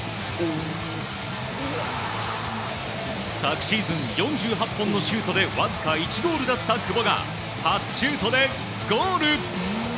昨シーズン、４８本のシュートでわずか１ゴールだった久保が初シュートでゴール！